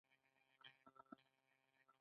هغوی د انجینر جوړ شوی ډیزاین عملي کوي.